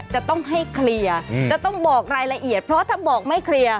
จะต้องให้เคลียร์จะต้องบอกรายละเอียดเพราะถ้าบอกไม่เคลียร์